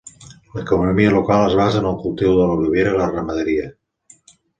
L'economia local es basa en el cultiu de l'olivera i la ramaderia.